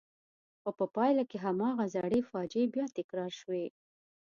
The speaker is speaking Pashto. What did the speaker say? خو په پایله کې هماغه زړې فاجعې بیا تکرار شوې.